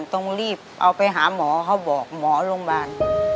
ต้องรีบเอาไปหาหมอเขาบอกหมอโรงพยาบาล